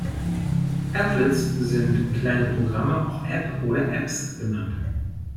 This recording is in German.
Applets sind kleine Programme, auch App oder Apps genannt.